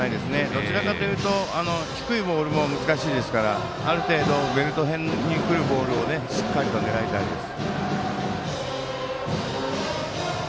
どちらかというと低いボールも難しいですからある程度、ベルト辺に来るボールをしっかりと狙いたいです。